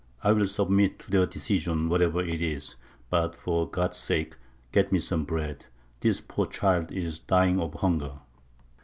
I will submit to their decision, whatever it is; but for God's sake get me some bread; this poor child is dying of hunger."